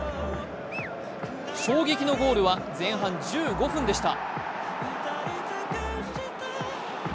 衝撃のゴールは前半１５分でした。